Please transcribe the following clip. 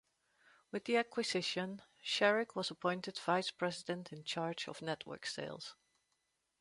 With the acquisition, Scherick was appointed Vice President in charge of Network Sales.